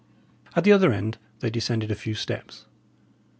At the other end, they descended a few steps.